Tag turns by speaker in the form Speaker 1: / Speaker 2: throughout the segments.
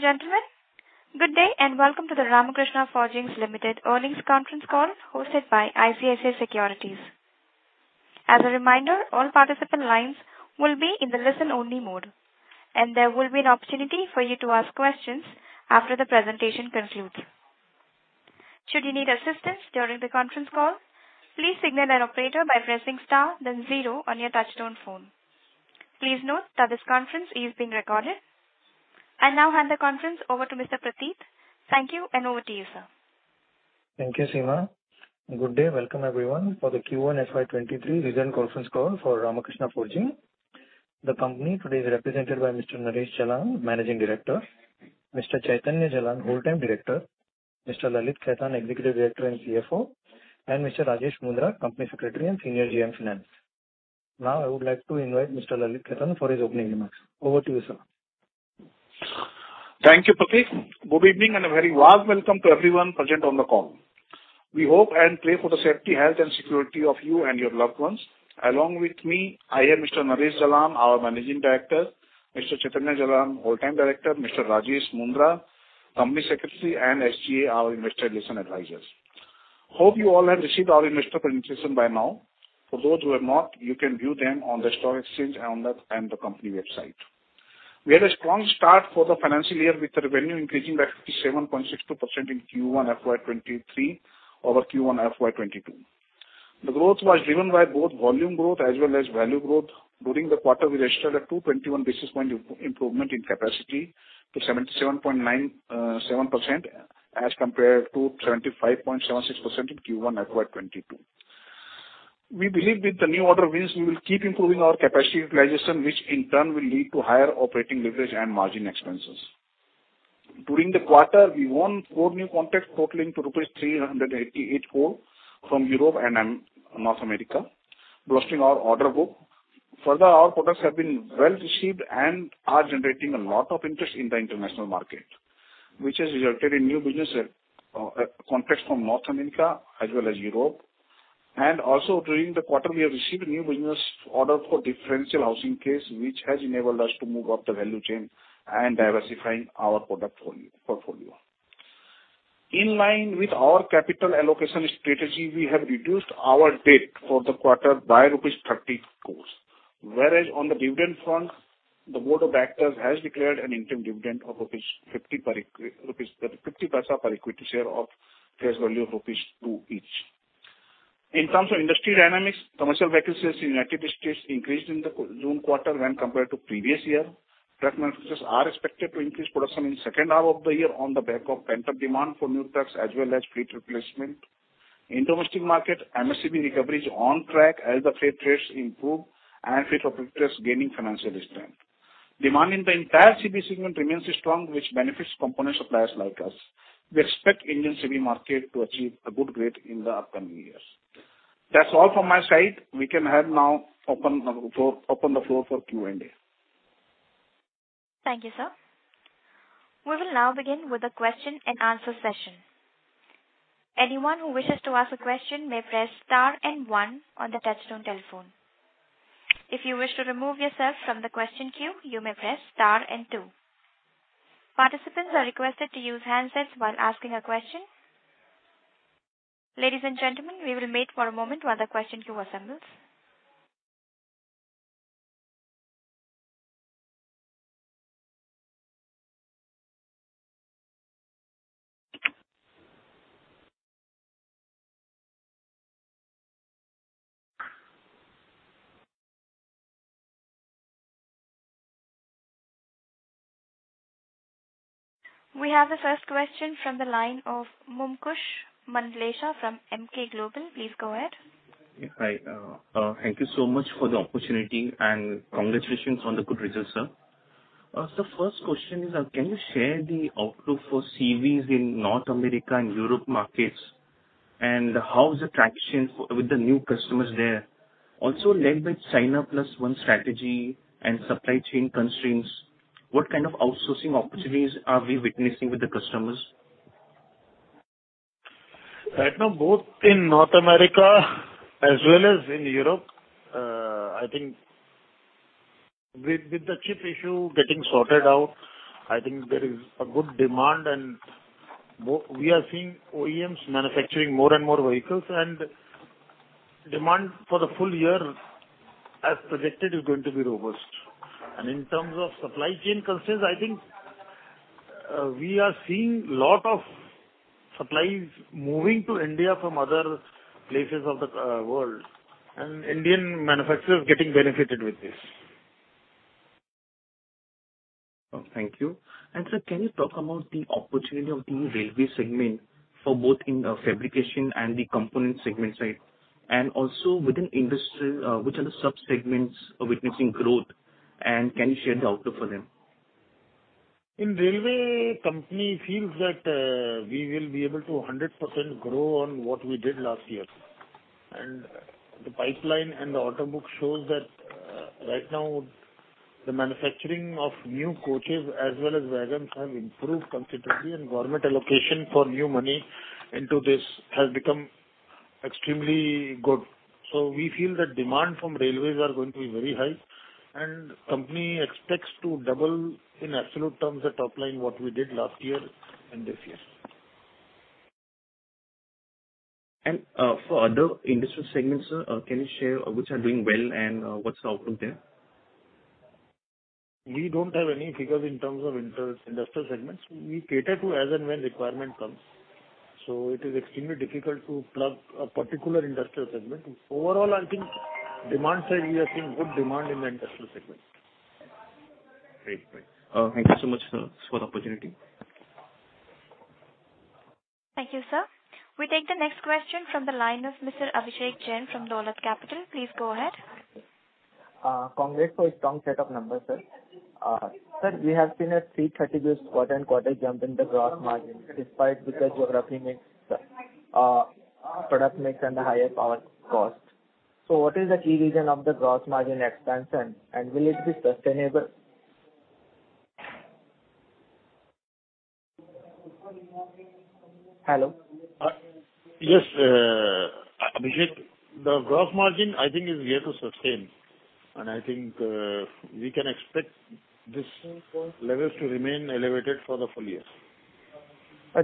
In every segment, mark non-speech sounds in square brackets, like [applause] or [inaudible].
Speaker 1: Ladies and gentlemen, good day, and welcome to the Ramkrishna Forgings LTD earnings conference call hosted by ICICI Securities. As a reminder, all participant lines will be in the listen-only mode, and there will be an opportunity for you to ask questions after the presentation concludes. Should you need assistance during the conference call, please signal an operator by pressing star then zero on your touchtone phone. Please note that this conference is being recorded. I now hand the conference over to Mr. Pratit. Thank you, and over to you, sir.
Speaker 2: Thank you, Seema. Good day. Welcome, everyone, for the Q1 FY 2023 earnings conference call for Ramkrishna Forgings. The company today is represented by Mr. Naresh Jalan, Managing Director, Mr. Chaitanya Jalan, Whole-time Director, Mr. Lalit Khetan, Executive Director and CFO, and Mr. Rajesh Mundhra, Company Secretary and Senior GM Finance. Now I would like to invite Mr. Lalit Khetan for his opening remarks. Over to you, sir.
Speaker 3: Thank you, Pratit. Good evening, and a very warm welcome to everyone present on the call. We hope and pray for the safety, health and security of you and your loved ones. Along with me, I have Mr. Naresh Jalan, our Managing Director, Mr. Chaitanya Jalan, Whole-time Director, Mr. Rajesh Mundhra, Company Secretary, and our investor relations advisors. Hope you all have received our investor presentation by now. For those who have not, you can view them on the stock exchange and on the company website. We had a strong start for the financial year with the revenue increasing by 57.62% in Q1 FY 2023 over Q1 FY 2022. The growth was driven by both volume growth as well as value growth. During the quarter, we registered a 221 basis point improvement in capacity to 77.97% as compared to 75.76% in Q1 FY 2022. We believe with the new order wins, we will keep improving our capacity utilization, which in turn will lead to higher operating leverage and margin expenses. During the quarter, we won four new contracts totaling rupees 388 crore from Europe and North America, boosting our order book. Further, our products have been well received and are generating a lot of interest in the international market, which has resulted in new business contracts from North America as well as Europe. Also during the quarter, we have received new business order for differential housing case, which has enabled us to move up the value chain and diversifying our product portfolio. In line with our capital allocation strategy, we have reduced our debt for the quarter by rupees 30 crores. Whereas on the dividend front, the Board of Directors has declared an interim dividend of 0.50 per equity share of face value of rupees 2 each. In terms of industry dynamics, commercial vehicles in United States increased in the June quarter when compared to previous year. Truck manufacturers are expected to increase production in second half of the year on the back of pent-up demand for new trucks as well as fleet replacement. In domestic market, MHCV recovery is on track as the freight rates improve and fleet operators gaining financial strength. Demand in the entire CV segment remains strong, which benefits component suppliers like us. We expect Indian CV market to achieve a good rate in the upcoming years. That's all from my side. We can now open the floor for Q&A.
Speaker 1: Thank you, sir. We will now begin with the question-and-answer session. Anyone who wishes to ask a question may press star and one on the touchtone telephone. If you wish to remove yourself from the question queue, you may press star and two. Participants are requested to use handsets while asking a question. Ladies and gentlemen, we will wait for a moment while the question queue assembles. We have the first question from the line of Mumuksh Mandlesha from Emkay Global. Please go ahead.
Speaker 4: Yeah, hi. Thank you so much for the opportunity and congratulations on the good results, sir. First question is, can you share the outlook for CVs in North America and Europe markets? How is the traction with the new customers there? Also with China Plus One strategy and supply chain constraints, what kind of outsourcing opportunities are we witnessing with the customers?
Speaker 3: Right now, both in North America as well as in Europe, I think with the chip issue getting sorted out, I think there is a good demand, and we are seeing OEMs manufacturing more and more vehicles. Demand for the full year, as predicted, is going to be robust. In terms of supply chain constraints, I think we are seeing lot of supplies moving to India from other places of the world, and Indian manufacturers getting benefited with this.
Speaker 4: Oh, thank you. Sir, can you talk about the opportunity of the railway segment for both in the fabrication and the component segment side? Also within industrial, which are the subsegments are witnessing growth, and can you share the outlook for them?
Speaker 3: In railway, company feels that we will be able to 100% grow on what we did last year. The pipeline and the order book shows that right now the manufacturing of new coaches as well as wagons have improved considerably and government allocation for new money into this has become extremely good. We feel that demand from railways are going to be very high, and company expects to double in absolute terms the top line what we did last year and this year.
Speaker 4: For other industrial segments, sir, can you share which are doing well and what's the outlook there?
Speaker 3: We don't have any figures in terms of inter-industrial segments. We cater to as and when requirement comes. It is extremely difficult to plug a particular industrial segment. Overall, I think demand side, we are seeing good demand in the industrial segment.
Speaker 4: Great. Thank you so much, sir, for the opportunity.
Speaker 1: Thank you, sir. We take the next question from the line of Mr. Abhishek Jain from Dolat Capital. Please go ahead.
Speaker 5: Congrats for a strong set of numbers, sir. Sir, we have seen a 330 quarter-on-quarter jump in the gross margin despite the geography mix, product mix and the higher power cost. What is the key reason of the gross margin expansion and will it be sustainable? Hello?
Speaker 3: Yes, Abhishek. The gross margin I think is here to sustain, and I think we can expect these levels to remain elevated for the full year.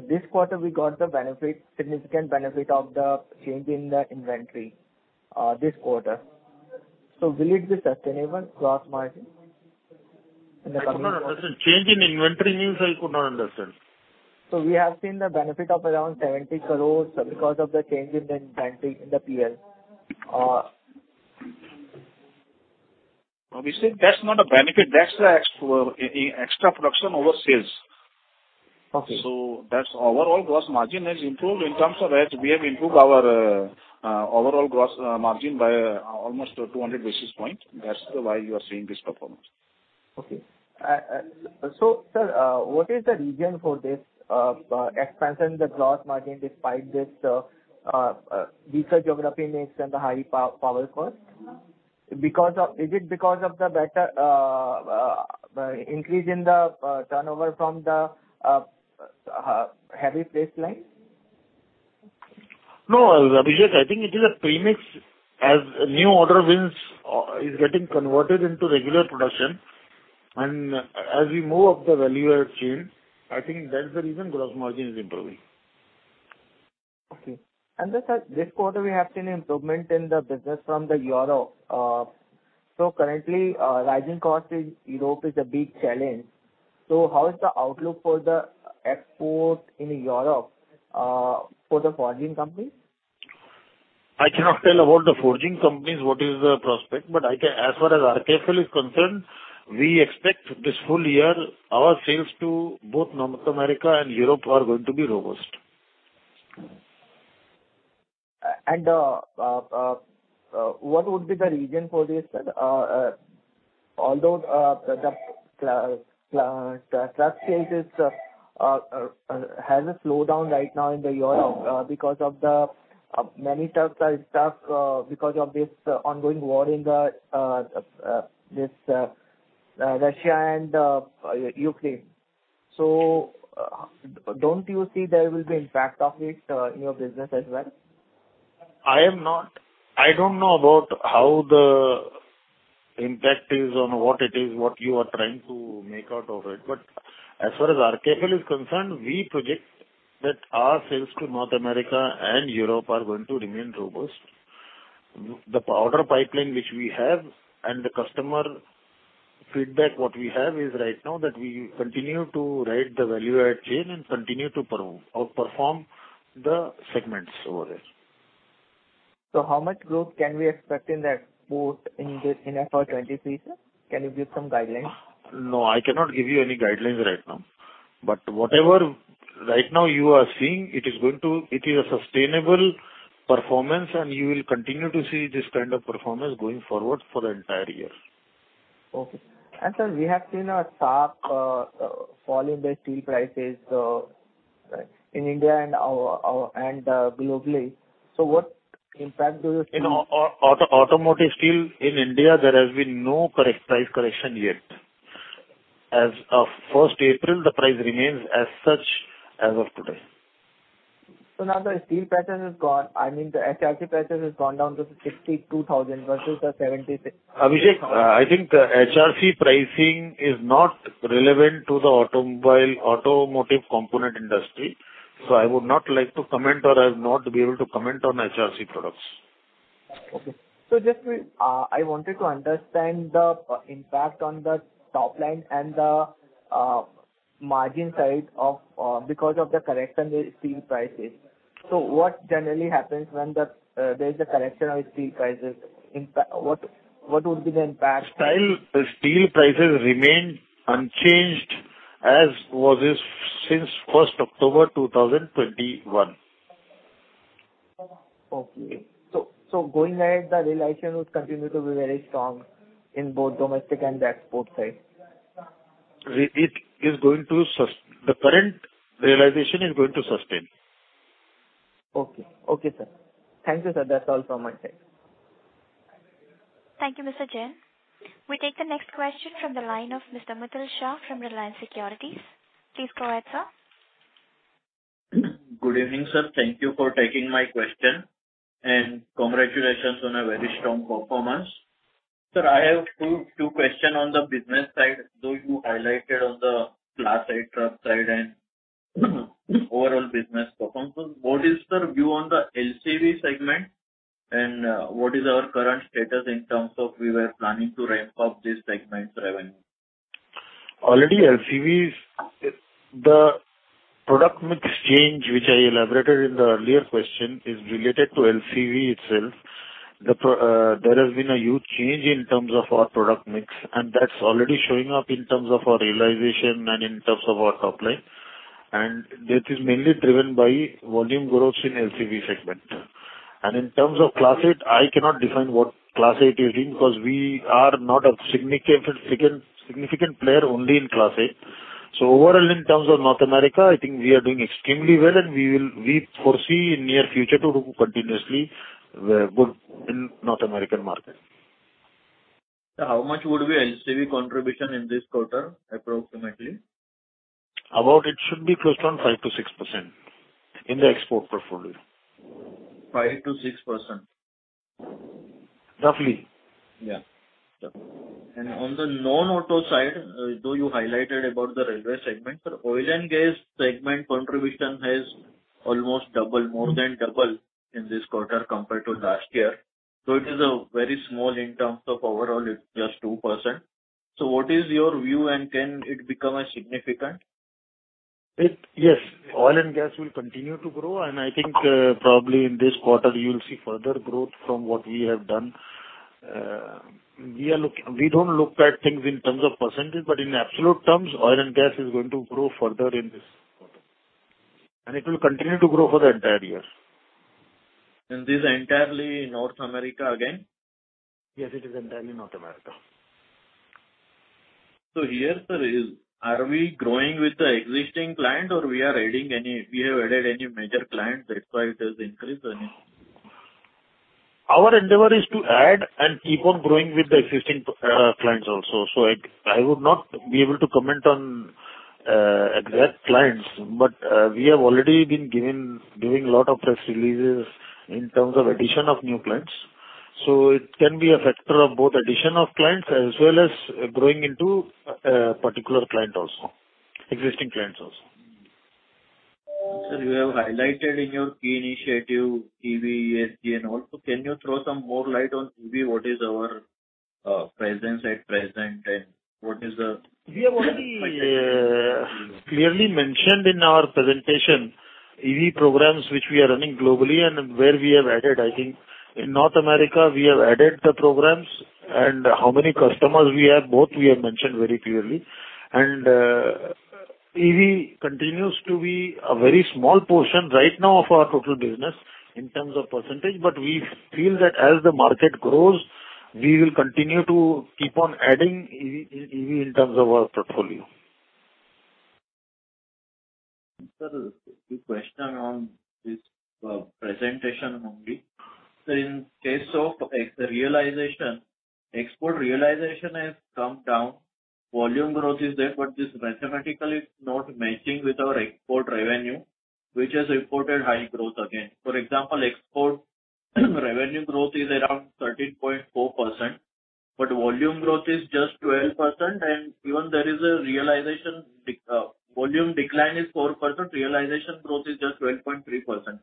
Speaker 5: This quarter we got the benefit, significant benefit of the change in the inventory, this quarter. Will it be sustainable gross margin in the coming years?
Speaker 3: I could not understand. Change in inventory means I could not understand.
Speaker 5: We have seen the benefit of around 70 crores because of the change in the inventory in the PL.
Speaker 3: Abhishek, that's not a benefit. That's the extra production over sales.
Speaker 5: Okay.
Speaker 3: That's overall gross margin has improved in terms of as we have improved our overall gross margin by almost 200 basis points. That's why you are seeing this performance.
Speaker 5: Sir, what is the reason for this expansion in the gross margin despite this weaker geographic mix and the high power cost? Is it because of the better increase in the turnover from the heavy plate line?
Speaker 3: No, Abhishek, I think it is a premix as new order wins is getting converted into regular production. As we move up the value add chain, I think that's the reason gross margin is improving.
Speaker 5: Okay. Sir, this quarter we have seen improvement in the business from Europe. Currently, rising cost in Europe is a big challenge. How is the outlook for the export in Europe for the forging companies?
Speaker 3: I cannot tell about the forging companies what the prospect is, but I can. As far as RKFL is concerned, we expect this full year our sales to both North America and Europe are going to be robust.
Speaker 5: What would be the reason for this, sir? Although the truck sales has a slowdown right now in Europe because the many trucks are stuck because of this ongoing war in Russia and Ukraine. Don't you see there will be impact of this in your business as well?
Speaker 3: I am not. I don't know about how the impact is on what it is, what you are trying to make out of it. As far as RKFL is concerned, we predict that our sales to North America and Europe are going to remain robust. The order pipeline which we have and the customer feedback what we have is right now that we continue to ride the value add chain and continue to perform, outperform the segments over there.
Speaker 5: How much growth can we expect in the export in FY 2023, sir? Can you give some guidelines?
Speaker 3: No, I cannot give you any guidelines right now. Whatever right now you are seeing, it is a sustainable performance and you will continue to see this kind of performance going forward for the entire year.
Speaker 5: Okay. Sir, we have seen a sharp fall in the steel prices in India and globally. What impact do you see?
Speaker 3: In automotive steel in India, there has been no price correction yet. As of 1st April, the price remains as such as of today.
Speaker 5: Now the steel prices has gone, I mean the HRC prices has gone down to 62,000 versus the 76-
Speaker 3: Abhishek, I think HRC pricing is not relevant to the automobile, automotive component industry, so I would not like to comment or I'll not be able to comment on HRC products.
Speaker 5: I wanted to understand the impact on the top line and the margin side because of the correction in steel prices. What generally happens when there is a correction of steel prices? What would be the impact?
Speaker 3: Steel prices remain unchanged as it was since first October 2021.
Speaker 5: Going ahead, the realization would continue to be very strong in both domestic and the export side?
Speaker 3: The current realization is going to sustain.
Speaker 5: Okay. Okay, sir. Thank you, sir. That's all from my side.
Speaker 1: Thank you, Mr. Jain. We take the next question from the line of Mr. Mitul Shah from Reliance Securities. Please go ahead, sir.
Speaker 6: Good evening, sir. Thank you for taking my question, and congratulations on a very strong performance. Sir, I have two questions on the business side, though you highlighted on the Class 8 truck side and overall business performance. What is the view on the LCV segment and what is our current status in terms of we were planning to ramp up this segment's revenue?
Speaker 3: Already LCV is. The product mix change, which I elaborated in the earlier question, is related to LCV itself. There has been a huge change in terms of our product mix, and that's already showing up in terms of our realization and in terms of our top line. That is mainly driven by volume growth in LCV segment. In terms of Class 8, I cannot define what Class 8 is doing because we are not a significant player only in Class 8. Overall, in terms of North America, I think we are doing extremely well and we foresee in near future to do continuously good in North American market.
Speaker 6: How much would be LCV contribution in this quarter, approximately?
Speaker 3: About it should be close to 5%-6% in the export portfolio.
Speaker 6: 5%-6%.
Speaker 3: Roughly.
Speaker 6: On the non-auto side, though you highlighted about the railway segment. Oil and gas segment contribution has almost doubled, more than doubled in this quarter compared to last year. It is very small in terms of overall, it's just 2%. What is your view, and can it become a significant?
Speaker 3: Yes. Oil and gas will continue to grow, and I think, probably in this quarter you'll see further growth from what we have done. We don't look at things in terms of percentage, but in absolute terms, oil and gas is going to grow further in this quarter, and it will continue to grow for the entire year.
Speaker 6: This is entirely North America again?
Speaker 3: Yes, it is entirely North America.
Speaker 6: Here, sir, are we growing with the existing client or have we added any major clients, that's why it has increased or any?
Speaker 3: Our endeavor is to add and keep on growing with the existing clients also. I would not be able to comment on exact clients. We have already been giving a lot of press releases in terms of addition of new clients. It can be a factor of both addition of clients as well as growing into particular client also, existing clients also.
Speaker 6: Sir, you have highlighted in your key initiative, EV, ESG and all. Can you throw some more light on EV, what is our presence at present, and what is the projection?
Speaker 3: We have already clearly mentioned in our presentation EV programs which we are running globally and where we have added. I think in North America, we have added the programs and how many customers we have, both we have mentioned very clearly. EV continues to be a very small portion right now of our total business in terms of percentage, but we feel that as the market grows, we will continue to keep on adding EV in terms of our portfolio.
Speaker 6: Sir, two questions on this presentation only. In case of export realization, export realization has come down. Volume growth is there, but this mathematically is not matching with our export revenue, which has reported high growth again. For example, export revenue growth is around 13.4%, but volume growth is just 12%. Even there is a realization decline of 4%, realization growth is just 12.3%.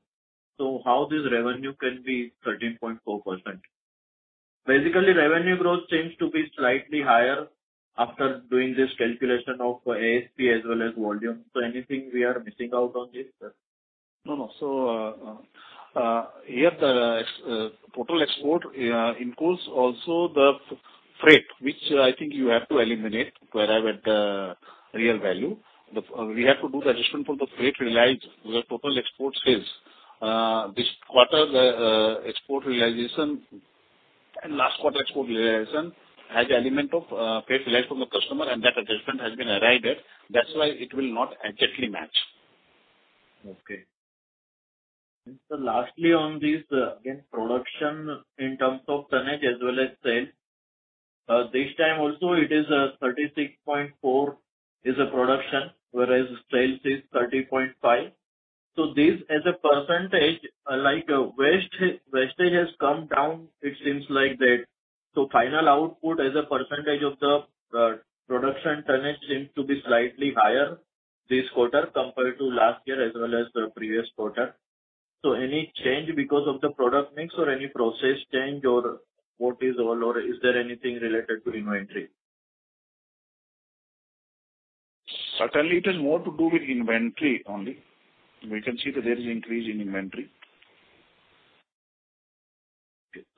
Speaker 6: How this revenue can be 13.4%? Basically, revenue growth seems to be slightly higher after doing this calculation of ASP as well as volume. Anything we are missing out on this, sir?
Speaker 3: No. Here the total export includes also the freight, which I think you have to eliminate to arrive at the real value. We have to do the adjustment for the freight realized where total exports is. This quarter, the export realization and last quarter export realization has element of freight realized from the customer, and that adjustment has been arrived at. That's why it will not exactly match.
Speaker 6: Okay. Sir, lastly, on this, again, production in terms of tonnage as well as sales. This time also it is 36.4 is the production, whereas sales is 30.5. This as a percentage, like, waste, wastage has come down, it seems like that. Final output as a percentage of the production tonnage seems to be slightly higher this quarter compared to last year as well as the previous quarter. Any change because of the product mix or any process change or what is overall or is there anything related to inventory?
Speaker 3: Certainly, it is more to do with inventory only. We can see that there is increase in inventory.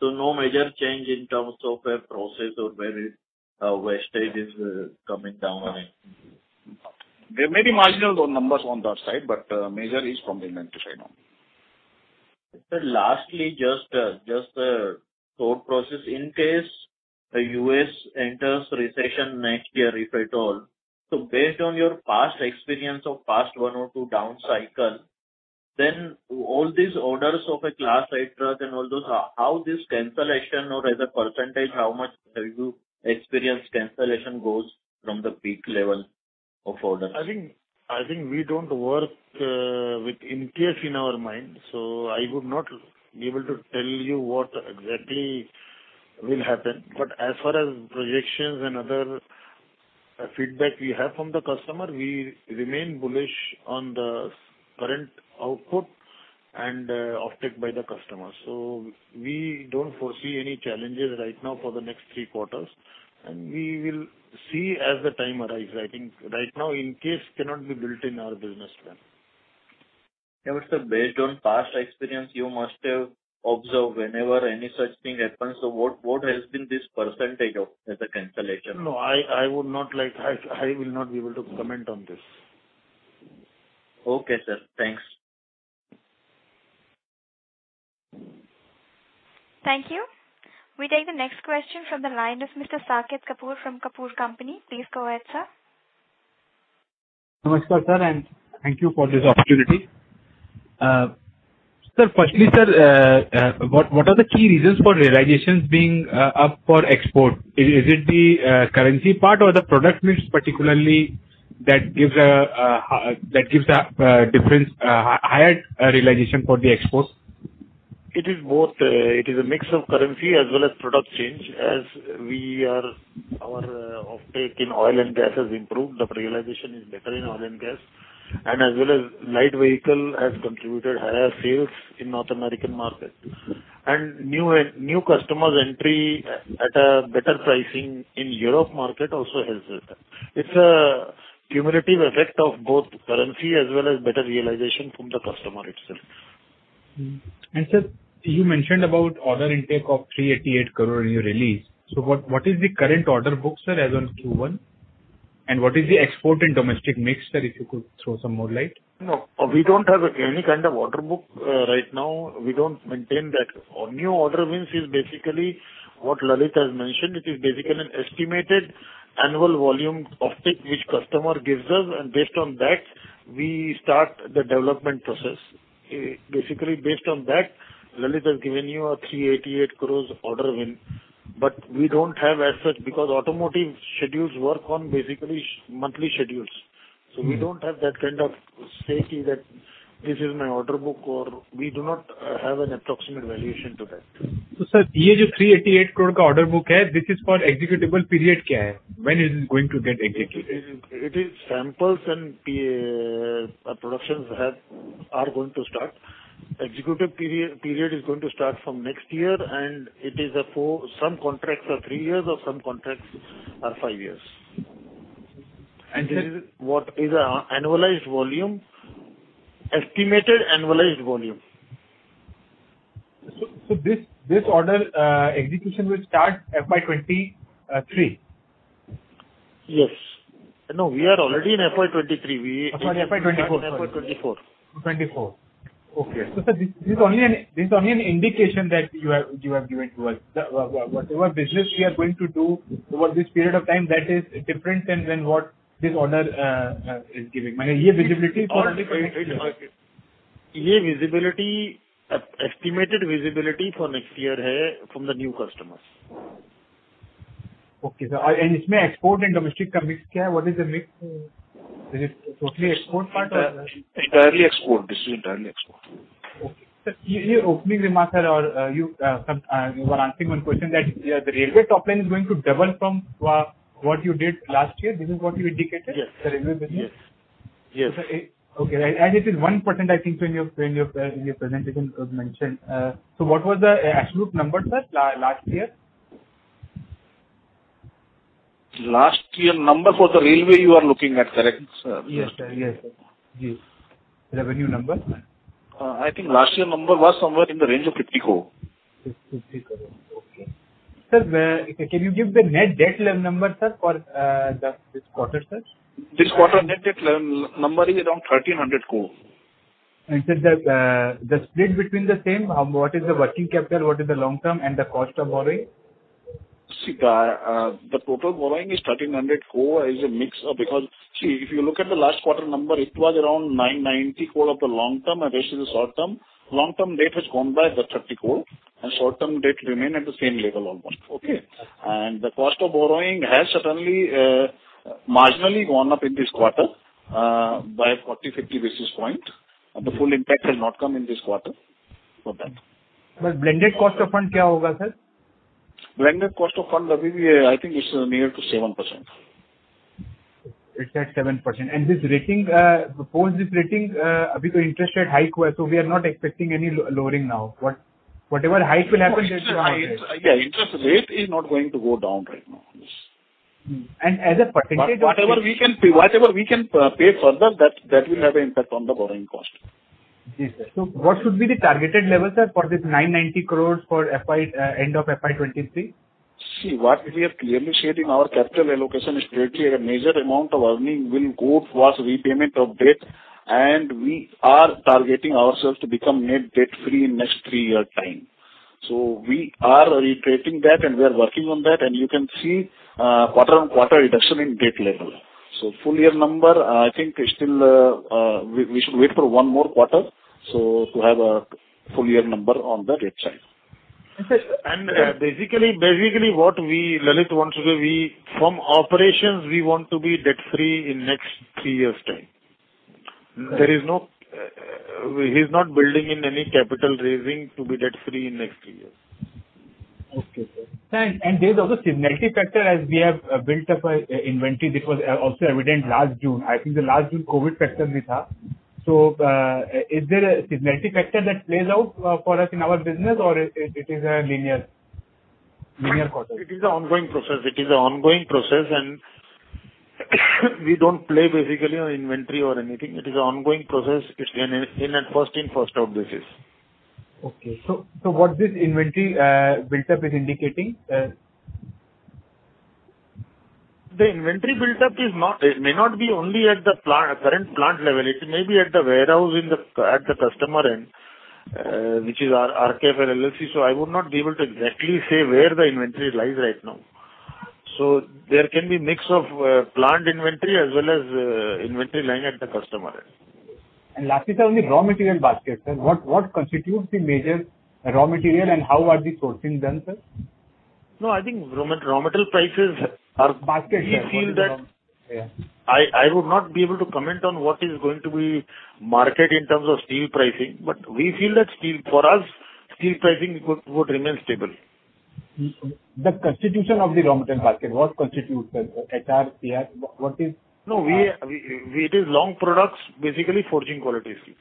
Speaker 6: No major change in terms of a process or where the wastage is coming down or anything?
Speaker 3: There may be marginal numbers on that side, but major is from inventory side only.
Speaker 6: Sir, lastly, just thought process. In case U.S. enters recession next year, if at all. Based on your past experience of past one or two down cycles. Then all these orders of a Class 8 truck and all those, how this cancellation or as a percentage, how much have you experienced cancellation goes from the peak level of orders?
Speaker 3: I think we don't work with in case in our mind, so I would not be able to tell you what exactly will happen. As far as projections and other feedback we have from the customer, we remain bullish on the current output and offtake by the customer. We don't foresee any challenges right now for the next three quarters, and we will see as the time arrives. I think right now in case cannot be built in our business plan.
Speaker 6: No, but sir, based on past experience, you must have observed whenever any such thing happens. What has been this percentage of as a cancellation?
Speaker 3: No, I will not be able to comment on this.
Speaker 6: Okay, sir. Thanks.
Speaker 1: Thank you. We take the next question from the line of Mr. Saket Kapoor from Kapoor & Co. Please go ahead, sir.
Speaker 7: Namaskar sir, and thank you for this opportunity. Sir, firstly, sir, what are the key reasons for realizations being up for export? Is it the currency part or the product mix particularly that gives a difference higher realization for the exports?
Speaker 3: It is both. It is a mix of currency as well as product change. Our offtake in oil and gas has improved. The realization is better in oil and gas. As well as light vehicle has contributed higher sales in North American market. New customers entry at a better pricing in European market also helps us. It's a cumulative effect of both currency as well as better realization from the customer itself.
Speaker 7: Sir, you mentioned about order intake of 388 crore in your release. So what is the current order book, sir, as on Q1? What is the export and domestic mix, sir, if you could throw some more light?
Speaker 8: No. We don't have any kind of order book, right now. We don't maintain that. New order wins is basically what Lalit has mentioned. It is basically an estimated annual volume offtake which customer gives us, and based on that, we start the development process. Basically, based on that, Lalit has given you an 388 crores order win. We don't have as such because automotive schedules work on basically monthly schedules. We don't have that kind of safety that this is my order book or we do not have an approximate valuation to that.
Speaker 7: Sir, the INR 388 crore order book, which is for executable period? When is it going to get executed?
Speaker 3: It is samples and productions are going to start. Execution period is going to start from next year, and some contracts are three years or some contracts are five years.
Speaker 7: And this is-
Speaker 3: What is an annualized volume? Estimated annualized volume.
Speaker 7: This order execution will start FY 2023?
Speaker 3: Yes. No, we are alre20ady in FY 2023.
Speaker 7: Sorry, FY 2024.
Speaker 3: FY 2024.
Speaker 7: 2024. Okay. Sir, this is only an indication that you have given to us. The whatever business you are going to do over this period of time, that is different than what this order is giving.
Speaker 3: This visibility, estimated visibility for next year from the new customers.
Speaker 7: Okay, sir. In this export and domestic mix, what is the mix? Is it totally export part or?
Speaker 3: Entirely export. This is entirely export.
Speaker 7: Okay. Sir, in your opening remarks, sir, or you were answering one question that the railway top line is going to double from what you did last year. This is what you indicated?
Speaker 3: Yes.
Speaker 7: The railway business.
Speaker 3: Yes.
Speaker 7: Okay. It is 1%, I think, when you in your presentation mentioned. So what was the absolute number, sir, last year?
Speaker 3: Last year number for the railway you are looking at, correct, sir?
Speaker 7: Yes, sir. Yes. Revenue number.
Speaker 3: I think last year number was somewhere in the range of 50 crore.
Speaker 7: 50 crore. Okay. Sir, can you give the net debt level number, sir, for this quarter, sir?
Speaker 3: This quarter net debt level number is around 1,300 crore.
Speaker 7: Sir, the split between the same, what is the working capital, what is the long term and the cost of borrowing?
Speaker 3: See, the total borrowing is 1,300 crore, a mix of long-term and short-term. If you look at the last quarter number, it was around 990 crore of the long-term and the rest is the short-term. Long-term debt has gone up by 30 crore and short-term debt remain at the same level almost. Okay. The cost of borrowing has certainly marginally gone up in this quarter by 40-50 basis points. The full impact has not come in this quarter for that.
Speaker 7: Blended cost of fund, what will it be, sir?
Speaker 3: Blended cost of fund, I think it's near to 7%.
Speaker 7: It's at 7%. This rating, post this rating, interest rate hike, so we are not expecting any lowering now. Whatever hike will happen.
Speaker 3: Yeah, interest rate is not going to go down right now. Yes.
Speaker 7: As a percentage of-
Speaker 3: Whatever we can pay further, that will have an impact on the borrowing cost.
Speaker 7: Yes, sir. What should be the targeted level, sir, for this 990 crore for FY end of FY 2023?
Speaker 3: See, what we are clearly stating, our capital allocation strategy, a major amount of earnings will go towards repayment of debt, and we are targeting ourselves to become net debt-free in next three years' time. We are reiterating that and we are working on that, and you can see, quarter-on-quarter reduction in debt level. Full year number, I think it's still, we should wait for one more quarter, so to have a full year number on the debt side. Basically, we from operations want to be debt free in next three years' time. Right. There is no, he's not building in any capital raising to be debt free in next three years. [audio distortion]
Speaker 7: There is also seasonality factor as we have built up our inventory. This was also evident last June. I think the last June COVID factor.
Speaker 3: It is an ongoing process, and we don't play basically on inventory or anything. It's first in, first out basis.
Speaker 7: What this inventory built up is indicating.
Speaker 3: The inventory built up is not. It may not be only at the plant, current plant level. It may be at the warehouse, at the customer end, which is our RKFL LLC. I would not be able to exactly say where the inventory lies right now. There can be mix of, plant inventory as well as, inventory lying at the customer end.
Speaker 7: Lastly, sir, on the raw material basket, sir, what constitutes the major raw material and how are the sourcing done, sir?
Speaker 3: No, I think raw material prices are.
Speaker 7: Basket, sir.
Speaker 3: We feel that.
Speaker 7: Yeah.
Speaker 3: I would not be able to comment on what the market is going to be in terms of steel pricing, but we feel that steel for us, steel pricing would remain stable.
Speaker 7: The composition of the raw material basket, what constitutes, sir? HR, CR, what is?
Speaker 3: No, we do long products, basically forging quality steel.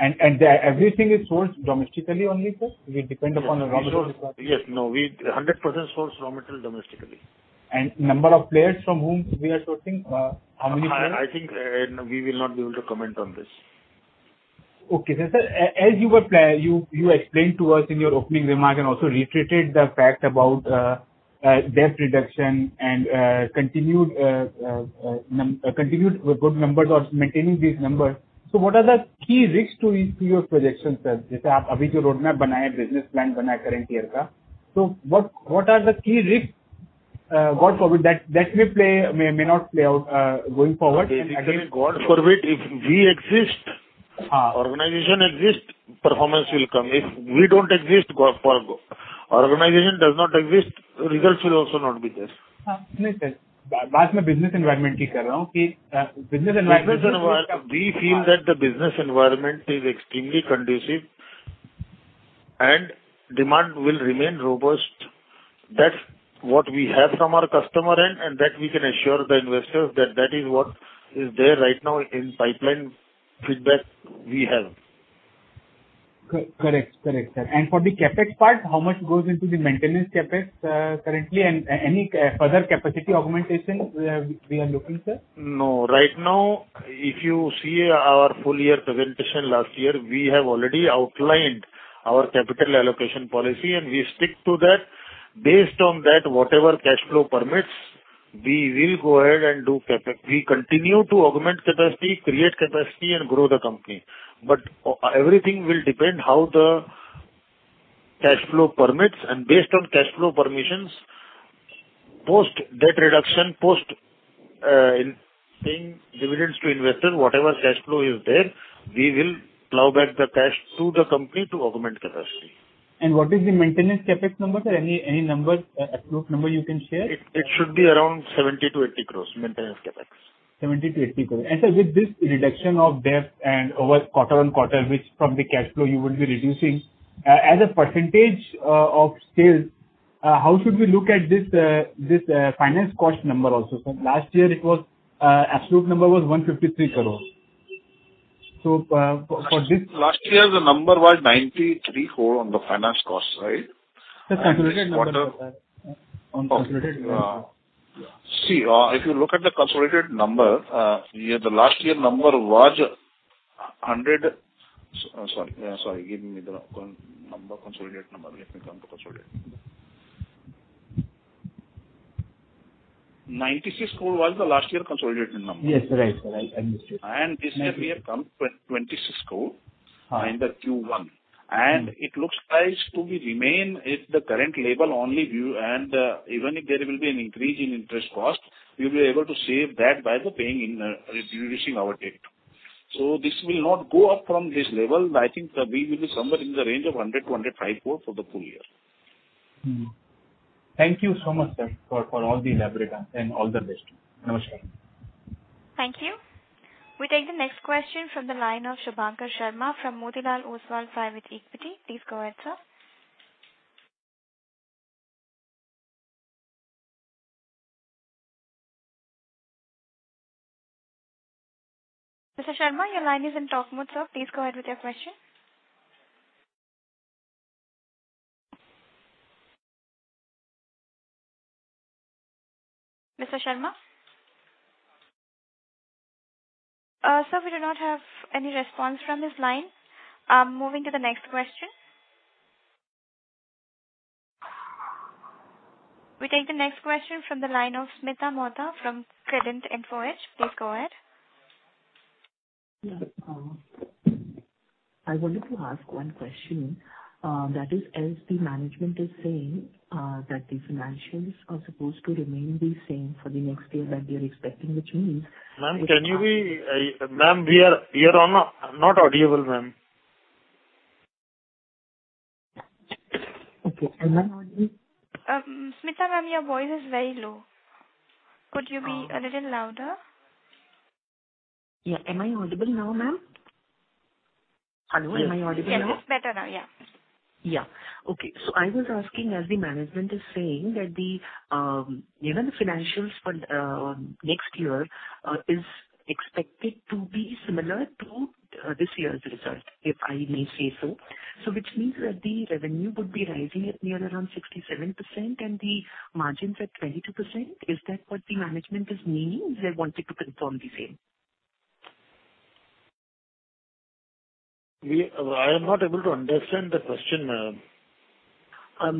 Speaker 7: Everything is sourced domestically only, sir? We depend upon the raw material-
Speaker 3: Yes. No, we 100% source raw material domestically.
Speaker 7: Number of players from whom we are sourcing, how many players?
Speaker 3: I think we will not be able to comment on this.
Speaker 7: Sir, as you explained to us in your opening remarks and also reiterated the fact about debt reduction and continued good numbers or maintaining these numbers. What are the key risks to these three-year projections, sir? Like the roadmap you have made now, business plan you have made for the current year. What are the key risks, God forbid, that may play, may not play out going forward?
Speaker 3: Basically, God forbid, if we exist.
Speaker 7: Uh-huh.
Speaker 3: Organization exists, performance will come. If we don't exist, organization does not exist, results will also not be there.
Speaker 7: No, sir. I'm talking about the business environment.
Speaker 3: Business environment, we feel that the business environment is extremely conducive and demand will remain robust. That's what we have from our customer end, and that we can assure the investors that is what is there right now in pipeline feedback we have.
Speaker 7: Correct, sir. For the CapEx part, how much goes into the maintenance CapEx, currently, and any further capacity augmentation we are looking, sir?
Speaker 3: No. Right now, if you see our full year presentation last year, we have already outlined our capital allocation policy, and we stick to that. Based on that, whatever cash flow permits, we will go ahead and do CapEx. We continue to augment capacity, create capacity and grow the company. Everything will depend on how the cash flow permits, and based on cash flow permitted, post debt reduction, post paying dividends to investors, whatever cash flow is there, we will plow back the cash to the company to augment capacity.
Speaker 7: What is the maintenance CapEx number, sir? Any numbers, absolute number you can share?
Speaker 3: It should be around 70-80 crores, maintenance CapEx.
Speaker 7: 70-80 crore. Sir, with this reduction of debt and quarter-on-quarter, which from the cash flow you will be reducing, as a percentage of sales, how should we look at this finance cost number also, sir? Last year the absolute number was 153 crore. For this-
Speaker 3: Last year the number was 93 crore on the finance cost, right?
Speaker 7: Sir, consolidated number.
Speaker 3: This quarter.
Speaker 7: Consolidated number.
Speaker 3: See, if you look at the consolidated number, yeah, the last year number was 100 crore. Sorry, give me the number, consolidated number. Let me come to consolidated. 96 crore was the last year consolidated number.
Speaker 7: Yes, right. I missed it.
Speaker 3: This year we have come 26 crore.
Speaker 7: Uh-huh.
Speaker 3: In Q1. It looks like to remain at the current level only, in our view, and even if there will be an increase in interest cost, we'll be able to save that by paying down reducing our debt. This will not go up from this level. I think, we will be somewhere in the range of 100 crore-105 crore for the full year.
Speaker 7: Thank you so much, sir, for all the elaborate answers and all the best. Namaskar.
Speaker 1: Thank you. We take the next question from the line of Shubhankar Sharma from Motilal Oswal Private Equity. Please go ahead, sir. Mr. Sharma, your line is on talk mode, sir. Please go ahead with your question. Mr. Sharma? Sir, we do not have any response from this line. I'm moving to the next question. We take the next question from the line of [Smita Motar] from Credent [MOH]. Please go ahead.
Speaker 9: I wanted to ask one question, that is as the management is saying, that the financials are supposed to remain the same for the next year that we are expecting the change.
Speaker 3: Ma'am, yeah, ma'am, we are, you're not audible, ma'am.
Speaker 9: Okay. Ma'am.
Speaker 1: [Smita], ma'am, your voice is very low. Could you be a little louder?
Speaker 9: Yeah. Am I audible now, ma'am? Hello? Am I audible now?
Speaker 1: Yes, this is better now. Yeah.
Speaker 9: Yeah. Okay. I was asking as the management is saying that even the financials for next year is expected to be similar to this year's result, if I may say so. Which means that the revenue would be rising at near around 67% and the margins at 22%. Is that what the management is meaning? I wanted to confirm the same.
Speaker 3: I am not able to understand the question, ma'am.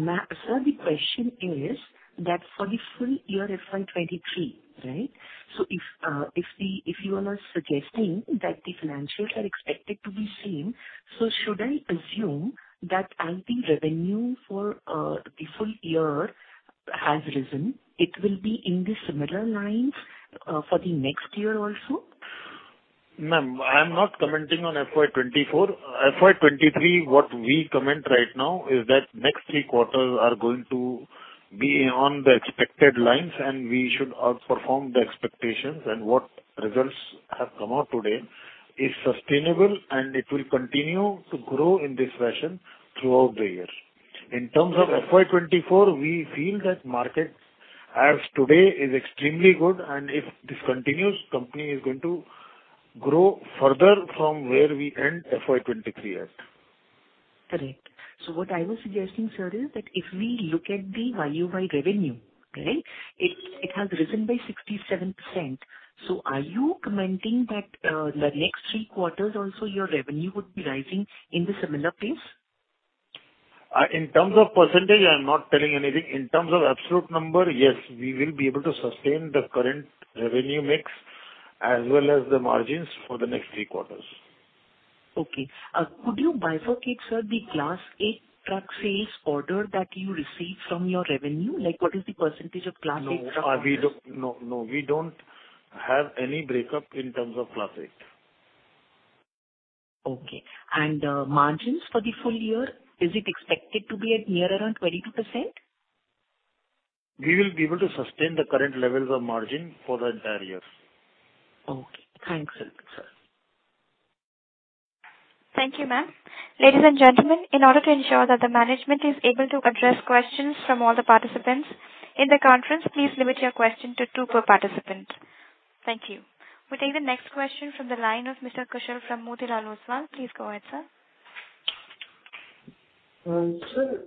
Speaker 9: Ma'am, the question is that for the full year FY 2023, right? If you are suggesting that the financials are expected to be same, should I assume that as the revenue for the full year has risen, it will be in the similar lines for the next year also?
Speaker 3: Ma'am, I'm not commenting on FY 2024. FY 2023, what we comment right now is that next three quarters are going to be on the expected lines, and we should outperform the expectations. What results have come out today is sustainable, and it will continue to grow in this fashion throughout the year. In terms of FY 2024, we feel that market as today is extremely good, and if this continues, company is going to grow further from where we end FY 2023 at.
Speaker 9: Correct. What I was suggesting, sir, is that if we look at the value by revenue, right, it has risen by 67%. Are you commenting that the next three quarters also your revenue would be rising in the similar pace?
Speaker 3: In terms of percentage, I'm not telling anything. In terms of absolute number, yes. We will be able to sustain the current revenue mix as well as the margins for the next three quarters.
Speaker 9: Okay. Could you bifurcate, sir, the Class 8 truck sales order that you received from your revenue? Like what is the percentage of Class 8 truck orders?
Speaker 3: No, we don't have any breakup in terms of Class 8.
Speaker 9: Okay, margins for the full year, is it expected to be at near around 22%?
Speaker 3: We will be able to sustain the current levels of margin for the entire year.
Speaker 9: Okay. Thanks. Thank you, sir.
Speaker 1: Thank you, ma'am. Ladies and gentlemen, in order to ensure that the management is able to address questions from all the participants in the conference, please limit your question to two per participant. Thank you. We take the next question from the line of Mr. Kushal from Motilal Oswal. Please go ahead, sir.
Speaker 10: Sir,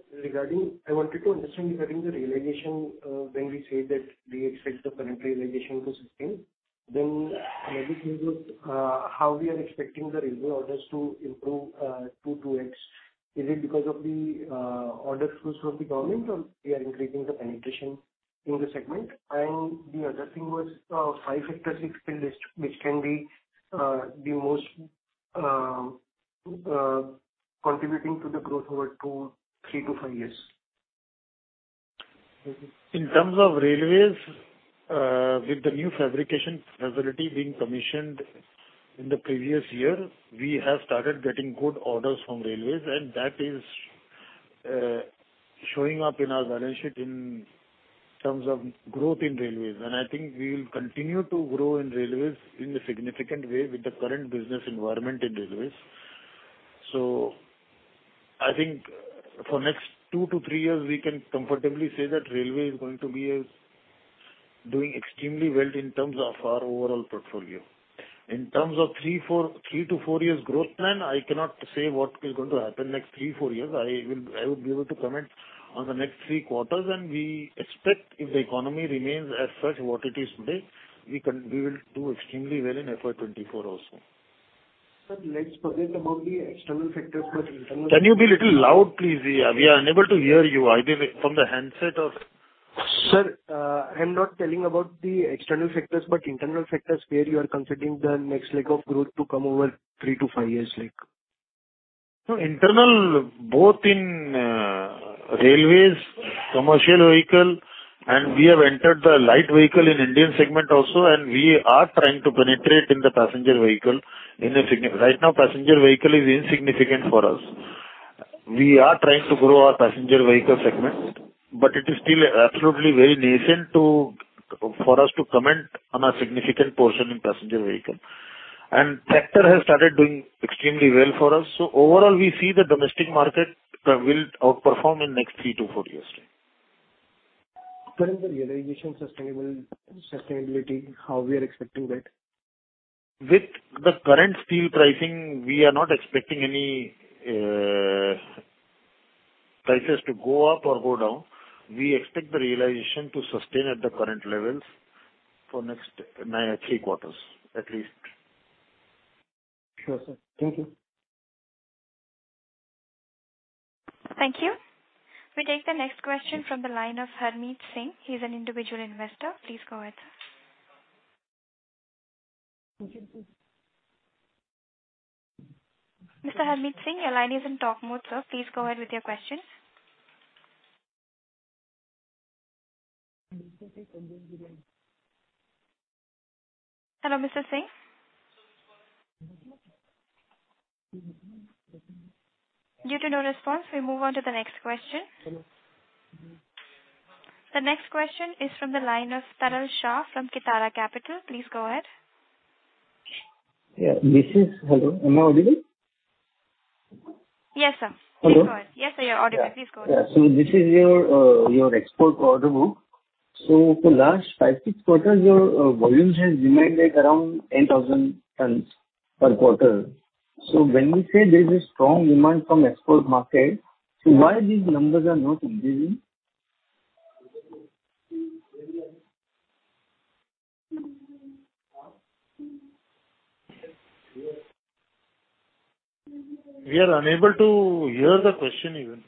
Speaker 10: I wanted to understand regarding the realization, when we say that we expect the current realization to sustain, then maybe can you how we are expecting the railway orders to improve two to X? Is it because of the order flows from the government, or we are increasing the penetration in the segment? The other thing was, five factors explained this, which can be the most contributing to the growth over two, three to five years.
Speaker 3: In terms of railways, with the new fabrication facility being commissioned in the previous year, we have started getting good orders from railways, and that is showing up in our balance sheet in terms of growth in railways. I think we'll continue to grow in railways in a significant way with the current business environment in railways. I think for next two to three years, we can comfortably say that railway is going to be doing extremely well in terms of our overall portfolio. In terms of three to four years growth plan, I cannot say what is going to happen next three to four years. I would be able to comment on the next three quarters, and we expect if the economy remains as such what it is today, we can be able to do extremely well in FY 2024 also.
Speaker 10: Sir, let's forget about the external factors, but internal.
Speaker 3: Can you be a little louder, please? We are unable to hear you either from the handset or.
Speaker 10: Sir, I'm not talking about the external factors, but internal factors where you are considering the next leg of growth to come over three to five years like?
Speaker 3: Internal, both in railways, commercial vehicle, and we have entered the light vehicle in Indian segment also, and we are trying to penetrate in the passenger vehicle. Right now, passenger vehicle is insignificant for us. We are trying to grow our passenger vehicle segment, but it is still absolutely very nascent to, for us to comment on a significant portion in passenger vehicle. Tractor has started doing extremely well for us. Overall we see the domestic market will outperform in next three to four years' time.
Speaker 10: Sir, is the realization sustainable? How are we expecting that?
Speaker 3: With the current steel pricing, we are not expecting any prices to go up or go down. We expect the realization to sustain at the current levels for next three quarters, at least.
Speaker 10: Sure, sir. Thank you.
Speaker 1: Thank you. We take the next question from the line of Harmeet Singh. He's an individual investor. Please go ahead, sir. Mr. Harmeet Singh, your line is in talk mode, sir. Please go ahead with your questions. Hello, Mr. Singh. Due to no response, we move on to the next question. The next question is from the line of Taral Shah from Kitara Capital. Please go ahead.
Speaker 11: Hello. Am I audible?
Speaker 1: Yes, sir.
Speaker 11: Hello.
Speaker 1: Please go ahead. Yes, sir, you're audible. Please go ahead.
Speaker 11: Yeah. This is your export order book. For last five, six quarters, your volumes has remained, like, around 10,000 tons per quarter. When you say there's a strong demand from export market, why these numbers are not increasing?
Speaker 3: We are unable to hear the question even.